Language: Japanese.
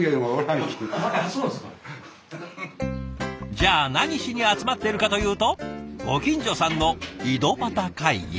じゃあ何しに集まってるかというとご近所さんの井戸端会議。